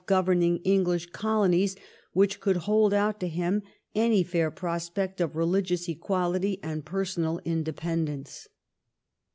governing English colonies which could hold out to him any fair prospect of religious equality and personal independence.